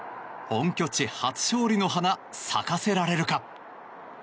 本拠地初勝利の花咲かせられるか。